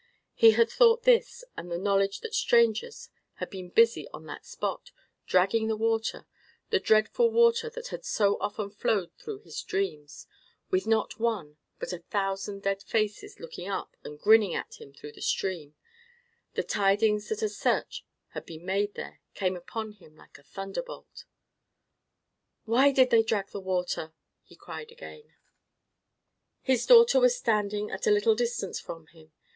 He had thought this, and the knowledge that strangers had been busy on that spot, dragging the water—the dreadful water that had so often flowed through his dreams—with, not one, but a thousand dead faces looking up and grinning at him through the stream—the tidings that a search had been made there, came upon him like a thunderbolt. "Why did they drag the water?" he cried again. His daughter was standing at a little distance from him.